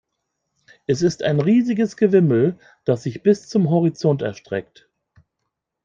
Es ist ein riesiges Gewimmel, das sich bis zum Horizont erstreckt.